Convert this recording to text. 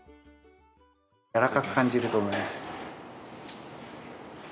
柔らかく感じると思います。